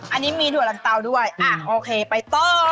อันนี้มีถั่วลังเตาด้วยอ่ะโอเคไปต่อ